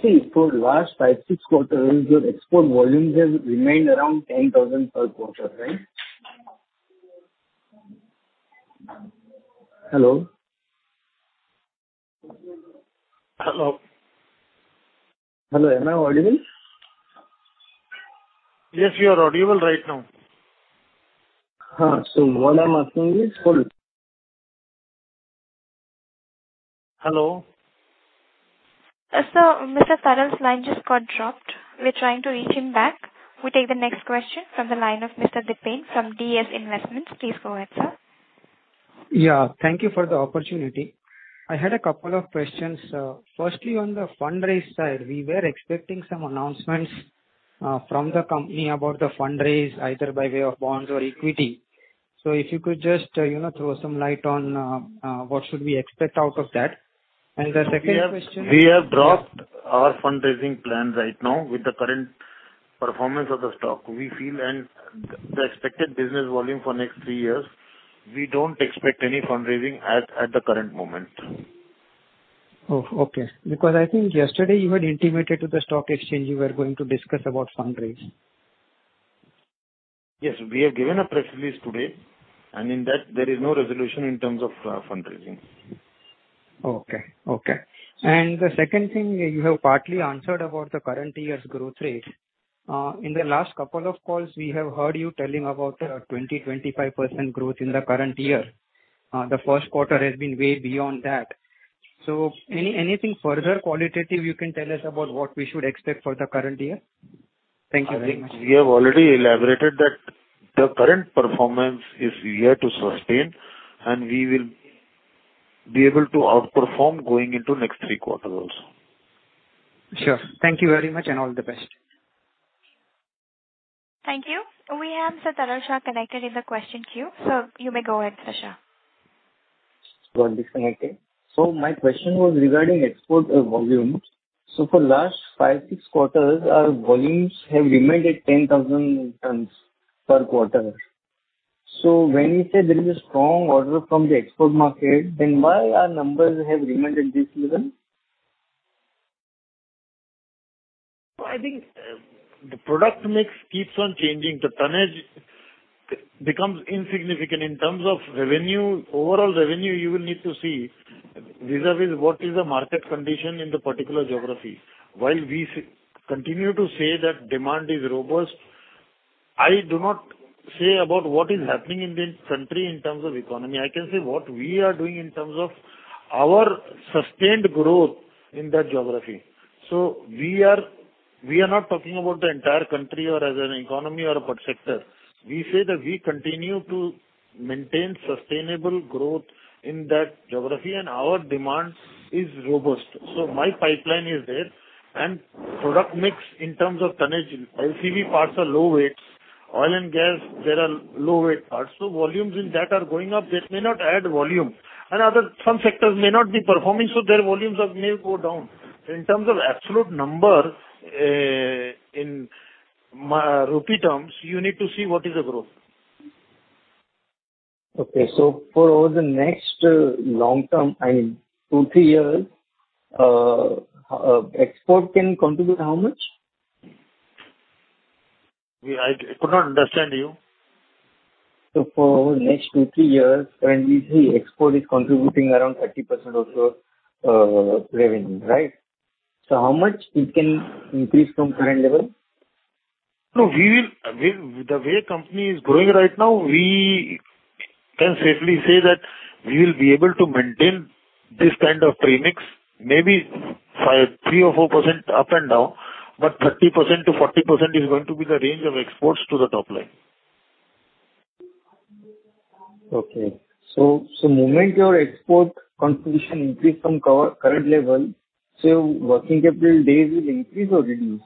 Speaker 11: See, for last five, six quarters, your export volumes has remained around 10,000 per quarter, right? Hello?
Speaker 3: Hello.
Speaker 11: Hello, am I audible?
Speaker 3: Yes, you are audible right now.
Speaker 11: What I'm asking is for-
Speaker 3: Hello.
Speaker 1: Mr. Taral's line just got dropped. We're trying to reach him back. We'll take the next question from the line of Mr. Dipen from DS Investments. Please go ahead, sir.
Speaker 12: Yeah. Thank you for the opportunity. I had a couple of questions. Firstly, on the fundraise side, we were expecting some announcements from the company about the fundraise, either by way of bonds or equity. If you could just, you know, throw some light on what should we expect out of that. The second question-
Speaker 3: We have dropped our fundraising plan right now with the current performance of the stock. We feel and the expected business volume for next three years, we don't expect any fundraising at the current moment.
Speaker 12: Oh, okay. Because I think yesterday you had intimated to the stock exchange you were going to discuss about fundraise.
Speaker 3: Yes. We have given a press release today, and in that there is no resolution in terms of fundraising.
Speaker 12: Okay. Okay. The second thing, you have partly answered about the current year's growth rate. In the last couple of calls, we have heard you telling about 25% growth in the current year. The first quarter has been way beyond that. Anything further qualitative you can tell us about what we should expect for the current year? Thank you very much.
Speaker 3: We have already elaborated that the current performance is here to sustain, and we will be able to outperform going into next three quarters also.
Speaker 12: Sure. Thank you very much, and all the best.
Speaker 1: Thank you. We have Sir Taral Shah connected in the question queue. Sir, you may go ahead, Sir Shah.
Speaker 11: Got disconnected. My question was regarding export volumes. For the last five to six quarters, our volumes have remained at 10,000 tons per quarter. When you say there is a strong order from the export market, then why our numbers have remained at this level?
Speaker 3: I think the product mix keeps on changing. The tonnage becomes insignificant in terms of revenue. Overall revenue, you will need to see vis-à-vis what is the market condition in the particular geography. While we continue to say that demand is robust, I do not say about what is happening in the country in terms of economy. I can say what we are doing in terms of our sustained growth in that geography. We are not talking about the entire country or as an economy or a sector. We say that we continue to maintain sustainable growth in that geography and our demand is robust. My pipeline is there and product mix in terms of tonnage, LCV parts are low weights. Oil and gas, there are low weight parts. Volumes in that are going up, this may not add volume. Other some sectors may not be performing, so their volumes may go down. In terms of absolute number, in rupee terms, you need to see what is the growth.
Speaker 11: Okay. For over the next long term, I mean, two to three years, export can contribute how much?
Speaker 3: I could not understand you.
Speaker 11: For over next two, three years, when we see exports is contributing around 30% of your revenue, right? How much it can increase from current level?
Speaker 3: With the way company is growing right now, we can safely say that we will be able to maintain this kind of premix, maybe 5%, 3% or 4% up and down, but 30%-40% is going to be the range of exports to the top line.
Speaker 11: Okay. Moment your export contribution increase from current level, so working capital days will increase or reduce?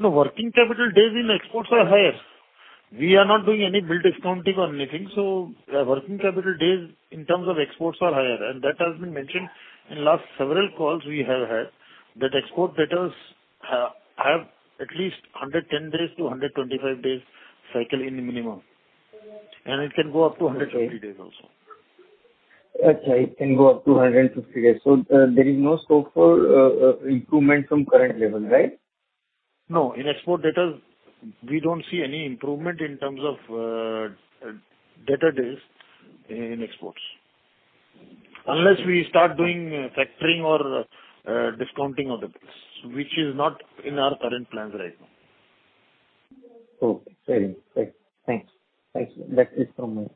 Speaker 3: The working capital days in exports are higher. We are not doing any bill discounting or anything, so the working capital days in terms of exports are higher. That has been mentioned in last several calls we have had, that export debtors have at least 110-125 days cycle in minimum. It can go up to 150 days also.
Speaker 11: Okay. It can go up to 150 days. There is no scope for improvement from current level, right?
Speaker 3: No. In export debtors we don't see any improvement in terms of, debtor days in exports. Unless we start doing factoring or, discounting of the bills, which is not in our current plans right now.
Speaker 11: Okay. Very well. Thanks. That is from me.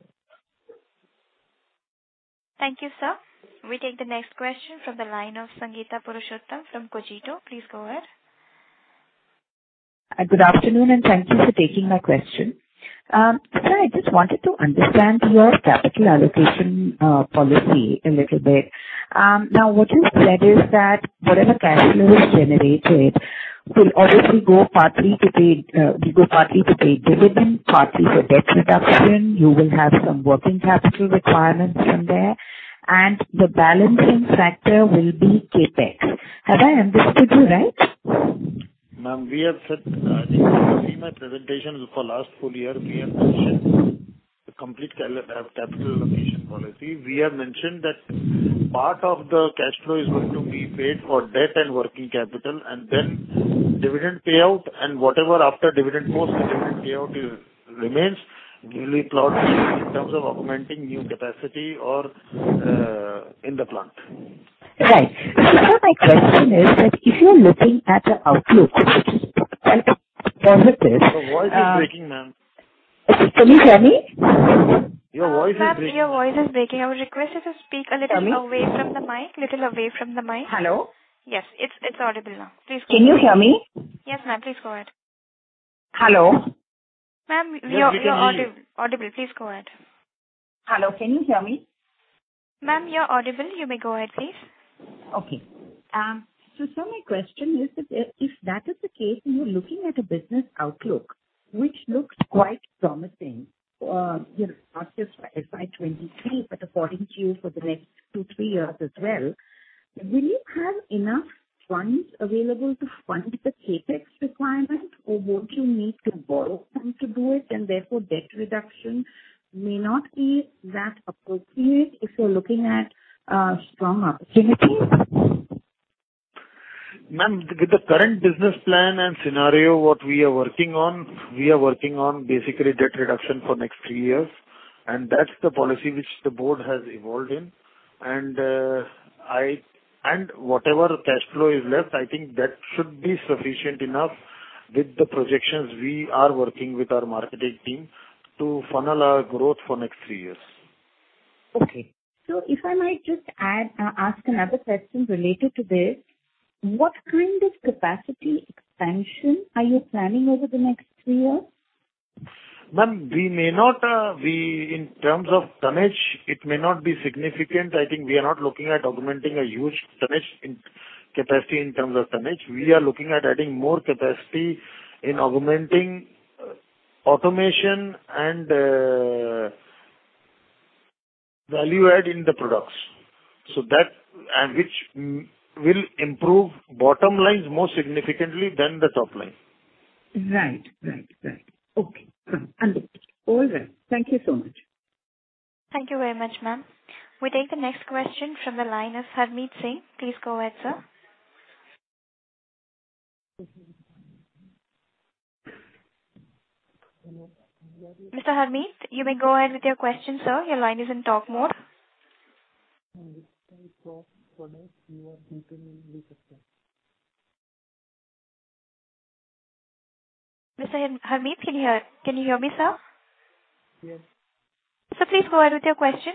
Speaker 1: Thank you, sir. We take the next question from the line of Sangeeta Purushottam from Cogito. Please go ahead.
Speaker 13: Good afternoon, and thank you for taking my question. Sir, I just wanted to understand your capital allocation policy a little bit. Now, what you said is that whatever cash flow is generated will obviously go partly to pay dividend, partly for debt reduction. You will have some working capital requirements from there, and the balancing factor will be CapEx. Have I understood you right?
Speaker 3: Ma'am, we have said, if you have seen my presentation for last full year, we have mentioned the complete capital allocation policy. We have mentioned that part of the cash flow is going to be paid for debt and working capital, and then dividend payout and whatever after dividend, post dividend payout remains will be plowed back in terms of augmenting new capacity or in the plant.
Speaker 13: Right. My question is that if you are looking at the outlook and-
Speaker 3: Your voice is breaking, ma'am.
Speaker 13: Can you hear me?
Speaker 3: Your voice is breaking.
Speaker 1: Ma'am, your voice is breaking. I would request you to speak a little.
Speaker 13: Can you-
Speaker 1: A little away from the mic.
Speaker 13: Hello?
Speaker 1: Yes. It's audible now. Please go ahead.
Speaker 13: Can you hear me?
Speaker 1: Yes, ma'am. Please go ahead.
Speaker 13: Hello?
Speaker 1: Ma'am, you're audible. Please go ahead.
Speaker 13: Hello, can you hear me?
Speaker 1: Ma'am, you're audible. You may go ahead, please.
Speaker 13: My question is that if that is the case and you're looking at a business outlook which looks quite promising, you know, not just for FY 2023, but according to you, for the next two, three years as well, will you have enough funds available to fund the CapEx requirement or won't you need to borrow funds to do it and therefore debt reduction may not be that appropriate if you're looking at strong opportunities?
Speaker 3: Ma'am, with the current business plan and scenario, what we are working on basically debt reduction for next three years, and that's the policy which the Board has evolved in. Whatever cash flow is left, I think that should be sufficient enough with the projections we are working with our marketing team to funnel our growth for next three years.
Speaker 13: Okay. If I might just add, ask another question related to this, what kind of capacity expansion are you planning over the next three years?
Speaker 3: Ma'am, we may not, in terms of tonnage, it may not be significant. I think we are not looking at augmenting a huge tonnage in capacity in terms of tonnage. We are looking at adding more capacity in augmenting automation and value add in the products. Which will improve bottom line more significantly than the top line.
Speaker 13: Right. Okay. All right. Thank you so much.
Speaker 1: Thank you very much, ma'am. We take the next question from the line of Harmeet Singh. Please go ahead, sir. Mr. Harmeet, you may go ahead with your question, sir. Your line is in talk mode. Mr. Harmeet, can you hear me, sir?
Speaker 14: Yes.
Speaker 1: Sir, please go ahead with your question.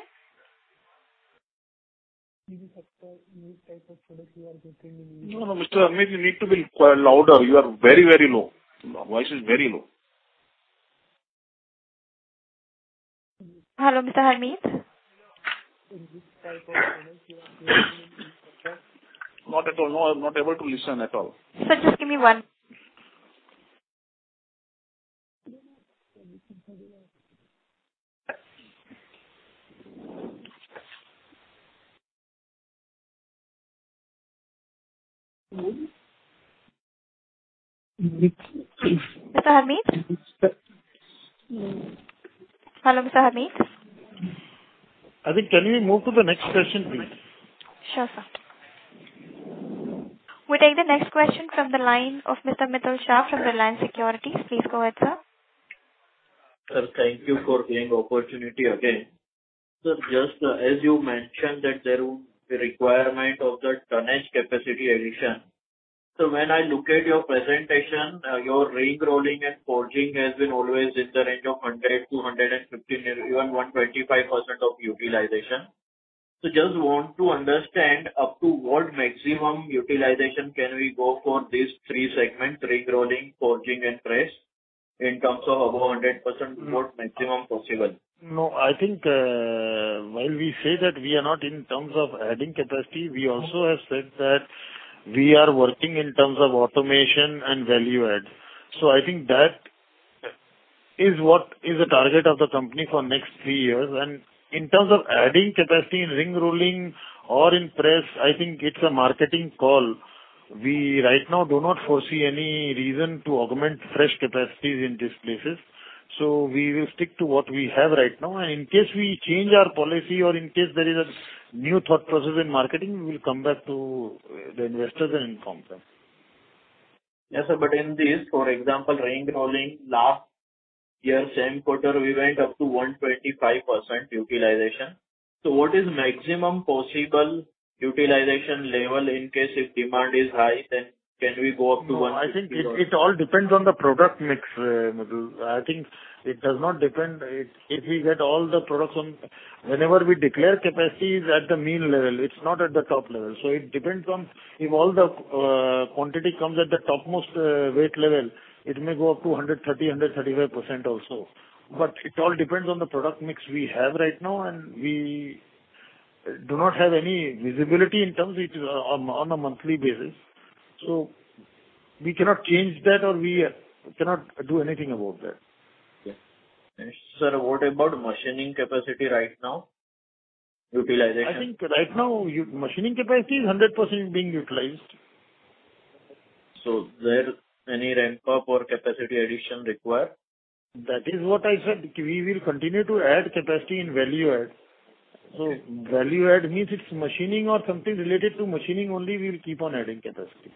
Speaker 3: No, no, Mr. Harmeet Singh, you need to be louder. You are very, very low. Your voice is very low.
Speaker 1: Hello, Mr. Harmeet?
Speaker 3: Not at all. No, I'm not able to listen at all.
Speaker 1: Mr. Harmeet? Hello, Mr. Harmeet?
Speaker 3: I think, can we move to the next question, please?
Speaker 1: Sure, sir. We take the next question from the line of Mr. Mitul Shah from Reliance Securities. Please go ahead, sir.
Speaker 6: Sir, thank you for giving opportunity again. Just as you mentioned that there will be requirement of the tonnage capacity addition. When I look at your presentation, your ring rolling and forging has been always in the range of 100%, 215%, even 125% of utilization. Just want to understand up to what maximum utilization can we go for these three segments, ring rolling, forging and press in terms of above 100%, what maximum possible?
Speaker 3: No, I think, while we say that we are not in terms of adding capacity, we also have said that we are working in terms of automation and value add. I think that is what is the target of the company for next three years. In terms of adding capacity in ring rolling or in press, I think it's a marketing call. We right now do not foresee any reason to augment fresh capacities in these places, so we will stick to what we have right now. In case we change our policy or in case there is a new thought process in marketing, we will come back to the investors and inform them.
Speaker 6: Yes, sir, but in this, for example, ring rolling last year, same quarter, we went up to 125% utilization. What is maximum possible utilization level in case if demand is high, then can we go up to 150%-
Speaker 3: No, I think it all depends on the product mix. I think it does not depend. Whenever we declare capacities at the mean level, it's not at the top level. It depends on if all the quantity comes at the topmost weight level, it may go up to 130%-135% also. It all depends on the product mix we have right now, and we do not have any visibility in terms of which is on a monthly basis. We cannot change that or we cannot do anything about that.
Speaker 6: Yes. Sir, what about machining capacity right now, utilization?
Speaker 3: I think right now our machining capacity is 100% being utilized.
Speaker 6: Is there any ramp up or capacity addition required?
Speaker 3: That is what I said. We will continue to add capacity in value add. Value add means it's machining or something related to machining only. We'll keep on adding capacity.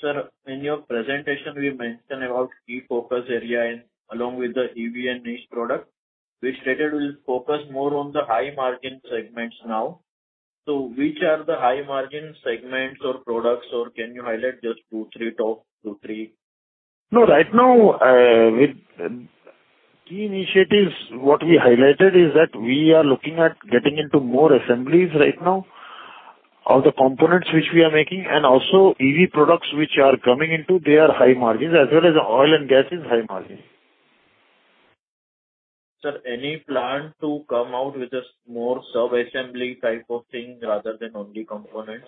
Speaker 6: Sir, in your presentation you mentioned about key focus area in along with the EV and niche product, which stated we'll focus more on the high margin segments now. Which are the high margin segments or products or can you highlight just two, three top, two, three?
Speaker 3: No, right now, with key initiatives, what we highlighted is that we are looking at getting into more assemblies right now. All the components which we are making and also EV products which are coming into, they are high margins as well as oil and gas is high margin.
Speaker 6: Sir, any plan to come out with this more sub-assembly type of thing rather than only components?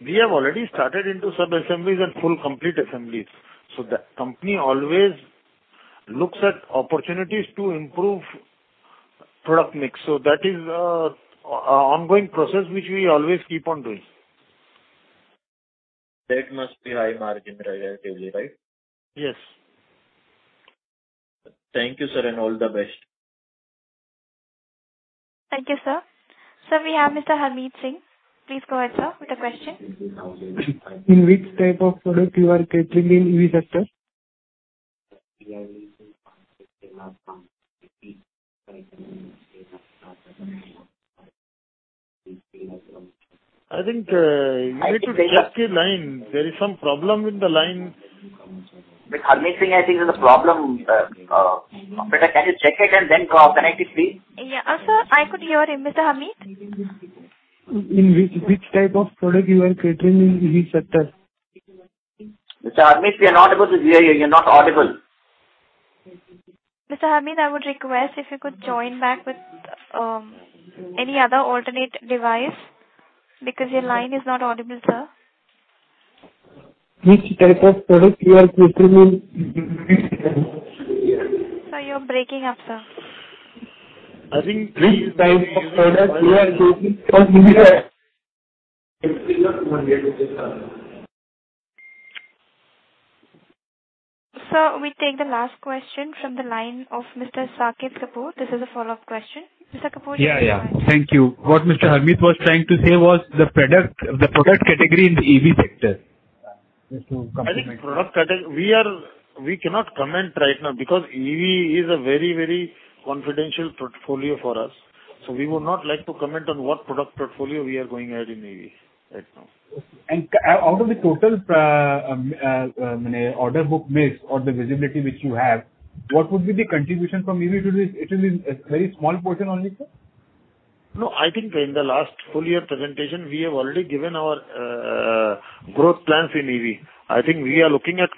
Speaker 3: We have already started into sub-assemblies and full complete assemblies. The company always looks at opportunities to improve product mix. That is an ongoing process which we always keep on doing.
Speaker 6: That must be high margin relatively, right?
Speaker 3: Yes.
Speaker 6: Thank you, sir, and all the best.
Speaker 1: Thank you, sir. Sir, we have Mr. Harmeet Singh. Please go ahead, sir, with the question.
Speaker 14: In which type of product you are catering in EV sector?
Speaker 3: I think, you need to check your line. There is some problem with the line. With Harmeet Singh I think there's a problem. Operator, can you check it and then connect it, please?
Speaker 1: Yeah. Sir, I could hear him. Mr. Harmeet Singh?
Speaker 14: In which type of product you are catering in EV sector?
Speaker 3: Mr. Harmeet Singh, we are not able to hear you. You're not audible.
Speaker 1: Mr. Harmeet Singh, I would request if you could join back with any other alternate device because your line is not audible, sir.
Speaker 14: Which type of product you are catering in?
Speaker 1: Sir, you're breaking up, sir.
Speaker 6: I think-
Speaker 14: Which type of product you are catering?
Speaker 1: Sir, we take the last question from the line of Mr. Saket Kapoor. This is a follow-up question. Mr. Kapoor, you can go ahead.
Speaker 7: Yeah. Thank you. What Mr. Harmeet Singh was trying to say was the product category in the EV sector.
Speaker 3: We cannot comment right now because EV is a very, very confidential portfolio for us. We would not like to comment on what product portfolio we are going ahead in EV right now.
Speaker 7: Out of the total order book mix or the visibility which you have, what would be the contribution from EV to this? It will be a very small portion only, sir?
Speaker 3: No, I think in the last full year presentation, we have already given our growth plans in EV. I think we are looking at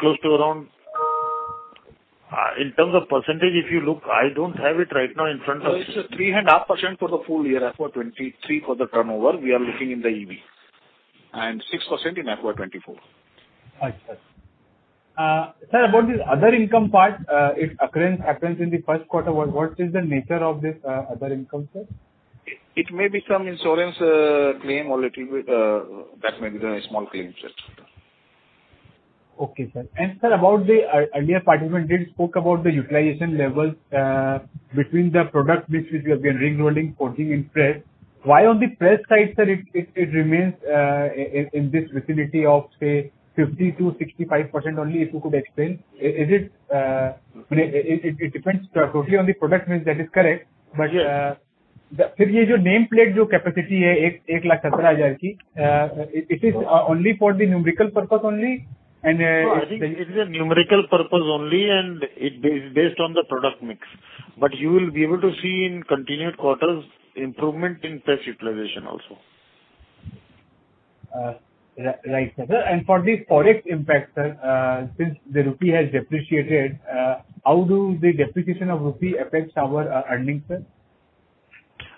Speaker 3: in terms of percentage if you look. I don't have it right now in front of me.
Speaker 7: It's 3.5% for the full year, FY 2023, for the turnover we are looking in the EV.
Speaker 3: 6% in FY 2024.
Speaker 7: All right, sir. Sir, about this other income part, its occurrence in the first quarter, what is the nature of this other income, sir?
Speaker 3: It may be some insurance claim or little bit that may be the small claim, sir.
Speaker 7: Okay, sir. Sir, about the earlier participant did spoke about the utilization levels between the product mix which you have been ring rolling, forging and press. Why on the press side, sir, it remains in this vicinity of, say, 50%-65% only if you could explain. Is it, I mean, it depends totally on the product mix, that is correct.
Speaker 3: Yes.
Speaker 7: The nameplate capacity it is only for the numerical purpose only and
Speaker 3: No, I think it is a numerical purpose only and it based on the product mix. You will be able to see in continued quarters improvement in press utilization also.
Speaker 7: Right, sir. For the forex impact, sir, since the rupee has depreciated, how do the depreciation of rupee affects our earnings, sir?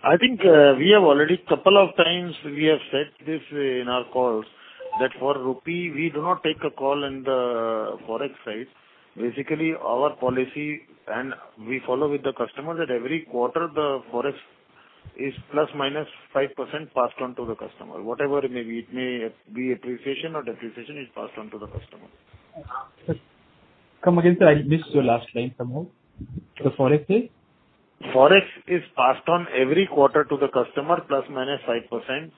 Speaker 3: I think, we have already a couple of times said this in our calls. That for rupee, we do not take a call in the forex side. Basically, our policy and we follow with the customer that every quarter the forex is ±5% passed on to the customer. Whatever it may be, it may be appreciation or depreciation, it's passed on to the customer.
Speaker 7: Come again, sir. I missed your last line somehow. The forex side.
Speaker 3: Forex is passed on every quarter to the customer ±5%.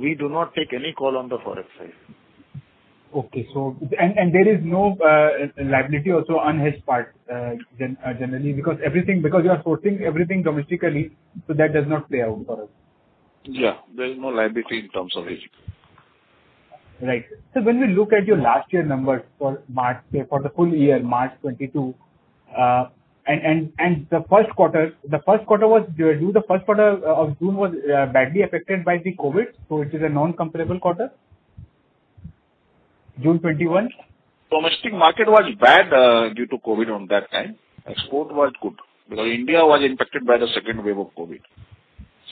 Speaker 3: We do not take any call on the forex side.
Speaker 7: There is no liability also on his part generally because everything because you are sourcing everything domestically so that does not play out for us.
Speaker 3: Yeah. There is no liability in terms of it.
Speaker 7: Right. When we look at your last year numbers for March, for the full year, March 2022, and the first quarter. The first quarter of June was badly affected by the COVID, so it is a non-comparable quarter. June 2021.
Speaker 3: Domestic market was bad due to COVID at that time. Export was good because India was impacted by the second wave of COVID,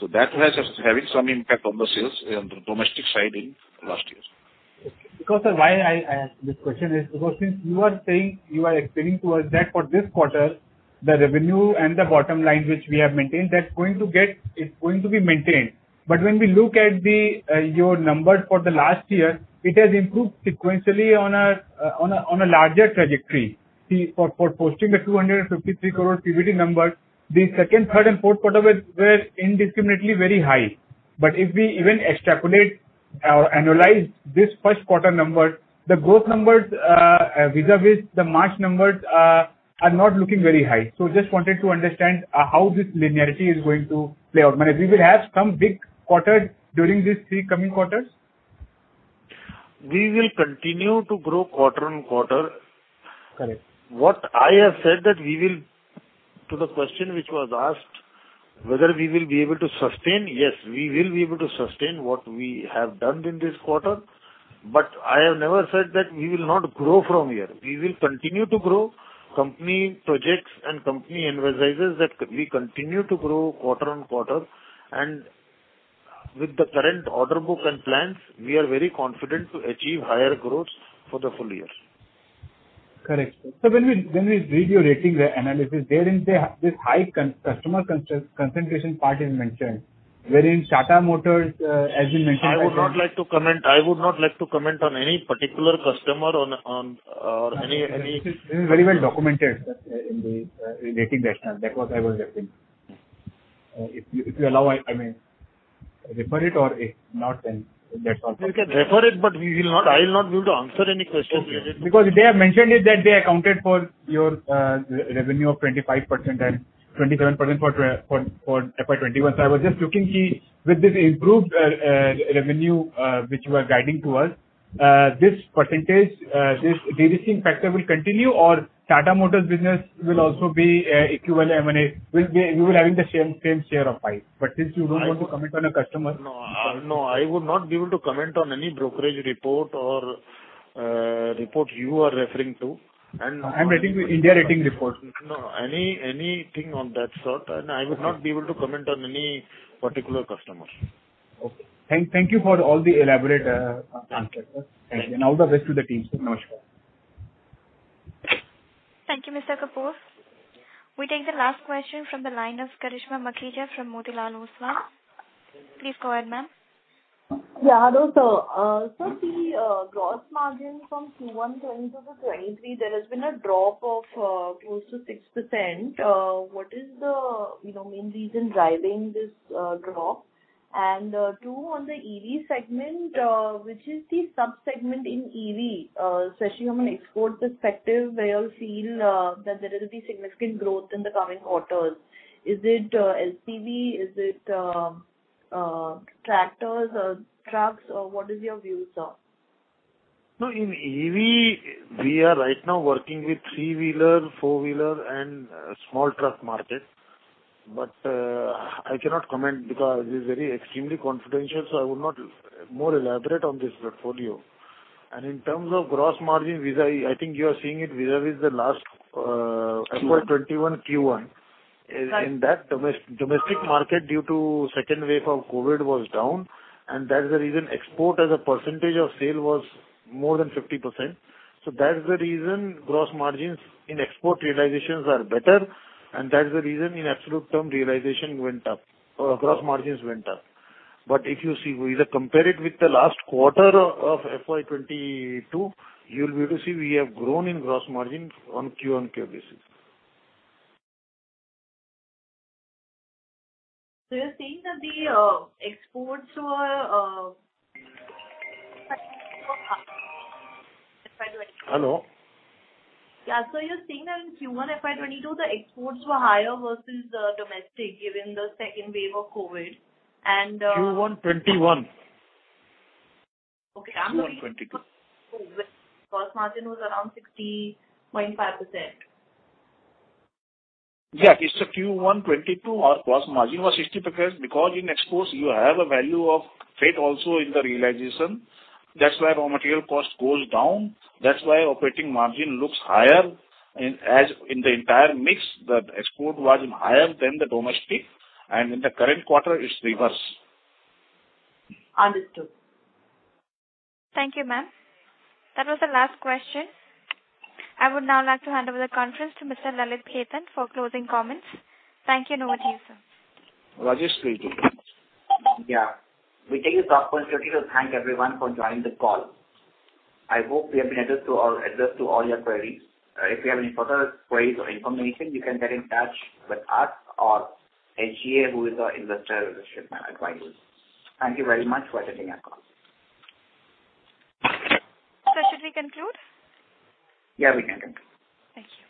Speaker 3: so that was having some impact on the sales on the domestic side in last years.
Speaker 7: Because why I ask this question is because since you are saying you are explaining to us that for this quarter the revenue and the bottom line which we have maintained, that's going to be maintained. When we look at your numbers for the last year, it has improved sequentially on a larger trajectory. See, for posting the 253 crore PBT numbers, the second, third and fourth quarter were indiscriminately very high. If we even extrapolate or analyze this first quarter numbers, the growth numbers vis-à-vis the March numbers are not looking very high. Just wanted to understand how this linearity is going to play out. I mean, we will have some big quarter during these three coming quarters.
Speaker 3: We will continue to grow quarter-over-quarter.
Speaker 7: Correct.
Speaker 3: What I have said that we will, to the question which was asked whether we will be able to sustain. Yes, we will be able to sustain what we have done in this quarter. I have never said that we will not grow from here. We will continue to grow. Company projects and company envisages that we continue to grow quarter-over-quarter. With the current order book and plans, we are very confident to achieve higher growths for the full year.
Speaker 7: Correct. When we read your rating analysis, therein this high customer concentration part is mentioned. Wherein Tata Motors, as you mentioned-
Speaker 3: I would not like to comment on any particular customer.
Speaker 7: This is very well documented in the rating rationale. That is what I was referring. If you allow, I may refer it or if not, then that's all.
Speaker 3: You can refer it, but I will not be able to answer any questions here.
Speaker 7: Because they have mentioned it that they accounted for your revenue of 25% and 27% for FY 2021. I was just looking if with this improved revenue, which you are guiding to us, this percentage, this DDC factor will continue or Tata Motors business will also be equivalent. I mean, it will be. You will be having the same share of pie. Since you don't want to comment on a customer.
Speaker 3: No. No, I would not be able to comment on any brokerage report or report you are referring to and-
Speaker 7: I'm reading the India Ratings report.
Speaker 3: No, anything of that sort. I would not be able to comment on any particular customers.
Speaker 7: Okay. Thank you for all the elaborate answers.
Speaker 3: Thank you.
Speaker 7: All the best to the team. Namaskar.
Speaker 1: Thank you, Mr. Kapoor. We take the last question from the line of Karishma Makhija from Motilal Oswal. Please go ahead, ma'am.
Speaker 15: Hello, sir. The gross margin from Q1 2022 to 2023, there has been a drop of close to 6%. What is the, you know, main reason driving this drop? Two, on the EV segment, which is the sub-segment in EV, especially from an export perspective, where you feel that there will be significant growth in the coming quarters. Is it LCV? Is it tractors or trucks or what is your view, sir?
Speaker 3: No, in EV we are right now working with three-wheeler, four-wheeler and small truck market. I cannot comment because it is very extremely confidential, so I would not more elaborate on this portfolio. In terms of gross margin, I think you are seeing it vis-à-vis the last FY 2021 Q1.
Speaker 15: Right.
Speaker 3: In that domestic market due to second wave of COVID was down and that's the reason export as a percentage of sale was more than 50%. That's the reason gross margins in export realizations are better and that's the reason in absolute term realization went up, gross margins went up. If you see, we compare it with the last quarter of FY 2022, you'll be able to see we have grown in gross margin on QoQ basis.
Speaker 15: You're saying that the exports were FY-
Speaker 3: Hello.
Speaker 15: You're saying that in Q1 FY 2022 the exports were higher versus domestic given the second wave of COVID and.
Speaker 3: Q1 2021.
Speaker 15: Okay. I'm reading.
Speaker 3: Q1 2022.
Speaker 15: Gross margin was around 60.5%.
Speaker 3: Yeah, it's the Q1 2022. Our gross margin was 60% because in exports you have a value of freight also in the realization. That's why raw material cost goes down. That's why operating margin looks higher, as in the entire mix, the export was higher than the domestic and in the current quarter it's reverse.
Speaker 15: Understood.
Speaker 1: Thank you, ma'am. That was the last question. I would now like to hand over the conference to Mr. Lalit Khetan for closing comments. Thank you and over to you, sir.
Speaker 3: Lalit speaking.
Speaker 2: Yeah. We take this opportunity to thank everyone for joining the call. I hope we have been able to address all your queries. If you have any further queries or information, you can get in touch with us or SGA who is our investor relations advisors. Thank you very much for attending our call.
Speaker 1: Should we conclude?
Speaker 2: Yeah, we can conclude.
Speaker 1: Thank you.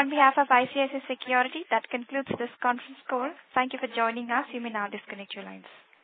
Speaker 1: On behalf of ICICI Securities, that concludes this conference call. Thank you for joining us. You may now disconnect your lines.